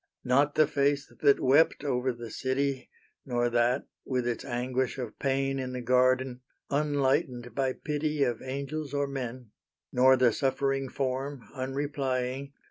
Not the face that wept over the city Nor that with its anguish of pain In the garden, enlightened by pity Of angels or men; Nor the suffering form, unreplying.